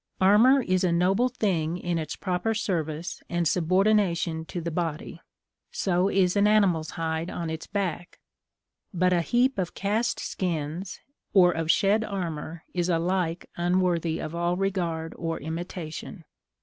Armor is a noble thing in its proper service and subordination to the body; so is an animal's hide on its back; but a heap of cast skins, or of shed armor, is alike unworthy of all regard or imitation.